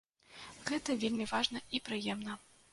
Гэта вельмі важна і прыемна.